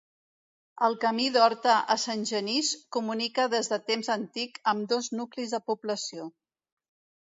El camí d'Horta a Sant Genís comunica des de temps antic ambdós nuclis de població.